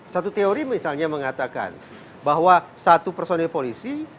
satu teori misalnya mengatakan bahwa satu personil polisi